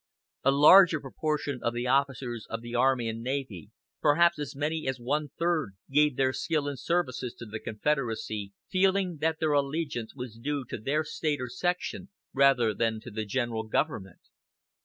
A large proportion of the officers of the Army and Navy, perhaps as many as one third, gave their skill and services to the Confederacy, feeling that their allegiance was due to their State or section rather than to the general government.